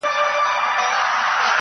• خوارسومه انجام مي د زړه ور مـات كړ.